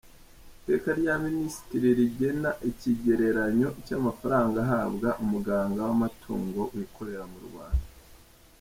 Iteka rya Minisitiri rigena ikigereranyo cy’amafaranga ahabwa umuganga w’amatungo wikorera mu Rwanda;.